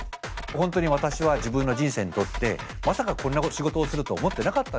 本当に私は自分の人生にとってまさかこんな仕事をすると思ってなかったんですね。